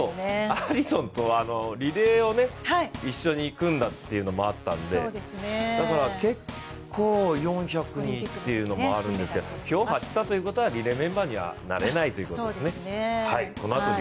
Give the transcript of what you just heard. アリソンとリレーを一緒に組んだというのがあって、結構４００にというのがあるんですけど今日走ったということはリレーメンバーにはなれないということですね。